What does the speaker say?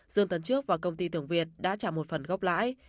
dương tấn trước và công ty tường việt đã trả một phần gốc lãi